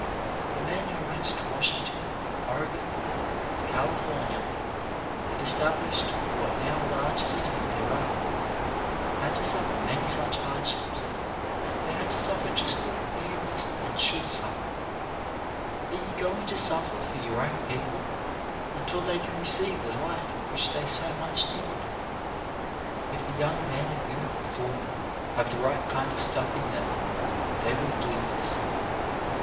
The men who went to Washington, Ore gon, and California and established what are now \ large cities there, had to suffer many such hard ) ships ; they had to suffer just what you must and WHAT YOU OUGHT TO DO 201 should suffer. Are you going to suffer for your own people until they can receive the light which they so much need? If the young men and women before me have the right kind of stuff in them they will do this.